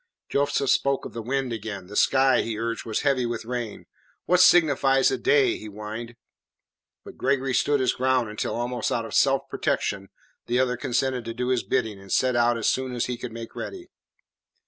Joseph spoke of the wind again; the sky, he urged, was heavy with rain. "What signifies a day?" he whined. But Gregory stood his ground until almost out of self protection the other consented to do his bidding and set out as soon as he could make ready.